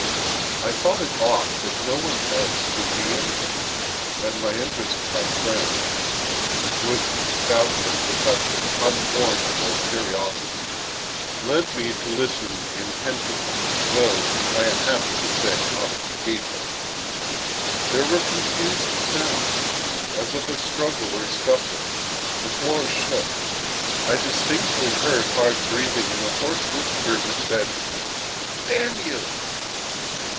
I thought it odd that any one else should be in there, and my interest in my friend—with doubtless a touch of unwarrantable curiosity—led me to listen intently, though, I am happy to say, not at the keyhole. There were confused sounds, as of a struggle or scuffle; the floor shook. I distinctly heard hard breathing and a hoarse whisper which said "Damn you!"